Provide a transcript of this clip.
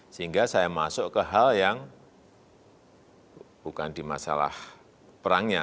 sehingga saya masuk ke hal yang bukan di masalah perangnya